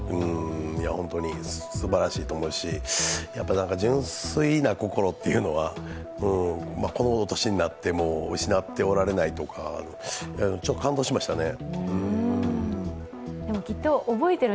本当にすばらしいと思うし純粋な心というのはこの年になっても失っておられないところ、感動しましたね。